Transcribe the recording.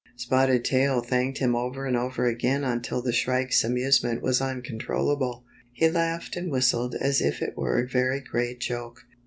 Spotted Tail thanked him over and over again until the Shrike's amusement was uncontrollable. He laughed and whistled as if it were a very great joke.